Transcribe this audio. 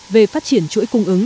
về phát triển chuỗi cung ứng